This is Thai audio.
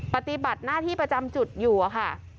ปฏิบัติหน้าที่ประจำจุดอยู่ค่ะ